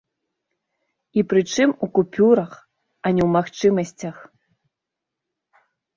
І, прычым, у купюрах, а не ў магчымасцях.